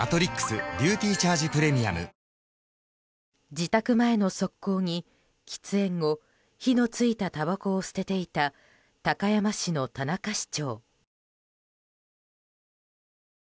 自宅前の側溝に、喫煙後火のついたたばこを捨てていた高山市の田中市長。